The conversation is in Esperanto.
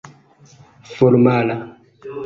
formala